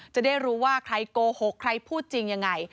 จะได้รู้ว่าใครโกหกใครพูดจริงยังไง